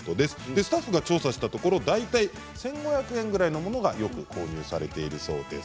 スタッフが調査したところだいたい１５００円くらいのものがよく購入されているということです。